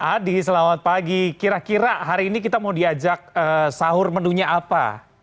adi selamat pagi kira kira hari ini kita mau diajak sahur menunya apa